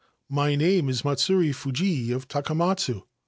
My name is Matsure Fu of Takamatsu.